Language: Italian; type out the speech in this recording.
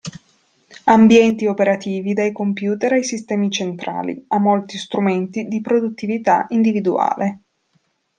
Ambienti operativi dai computer ai sistemi centrali, a molti strumenti di produttività individuale.